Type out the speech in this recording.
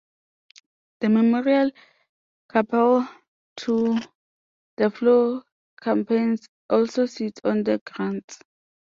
The memorial chapel to the Four Chaplains also sits on the grounds.